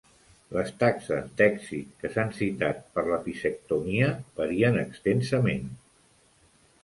Les taxes d'èxit que s'han citat per l'apicectomia varien extensament.